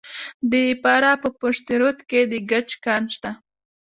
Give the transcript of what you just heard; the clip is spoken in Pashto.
د فراه په پشت رود کې د ګچ کان شته.